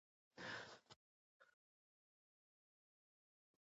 څوک له نومه سره ښخ سول چا کرلي افسانې دي